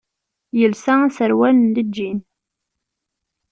Yelsa aserwal n lǧin.